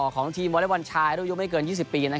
ของทีมเวอร์เลนซ์วันชายรูปยุ่งไม่เกิน๒๐ปี